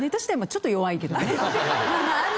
ちょっと弱い？